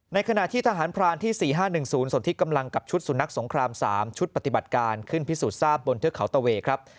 ขณะที่ทหารพรานที่๔๕๑๐ส่วนที่กำลังกับชุดสุนัขสงคราม๓ชุดปฏิบัติการขึ้นพิสูจน์ทราบบนเทือกเขาตะเวย์ครับ